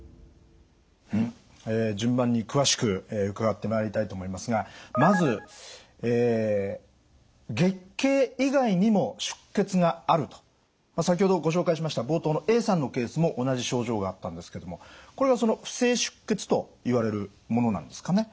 え順番に詳しく伺ってまいりたいと思いますがまず先ほどご紹介しました冒頭のＡさんのケースも同じ症状があったんですけどもこれがその不正出血といわれるものなんですかね？